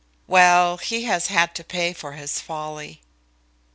"Well, he has had to pay for his folly."